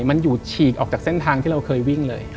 มันอยู่ฉีกออกจากเส้นทางที่เราเคยวิ่งเลย